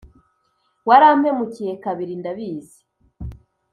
warampemukiye, kabiri ndabizi.